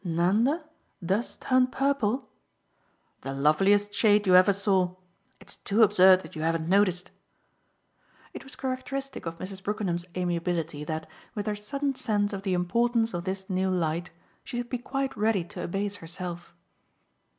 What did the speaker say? "Nanda does turn purple ?" "The loveliest shade you ever saw. It's too absurd that you haven't noticed." It was characteristic of Mrs. Brookenham's amiability that, with her sudden sense of the importance of this new light, she should be quite ready to abase herself.